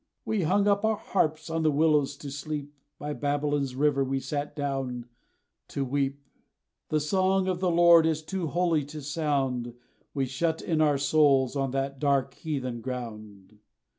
We hung up our harps on the willows to sleep; By Babylon's rivers we sat down to weep; The song of the Lord, as too holy to sound, We shut in our souls, on that dark heathen ground.